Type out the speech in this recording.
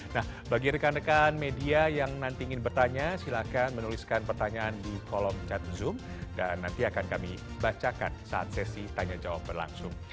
nah bagi rekan rekan media yang nanti ingin bertanya silahkan menuliskan pertanyaan di kolom chat zoom dan nanti akan kami bacakan saat sesi tanya jawab berlangsung